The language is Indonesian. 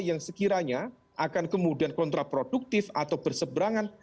yang sekiranya akan kemudian kontraproduktif atau berseberangan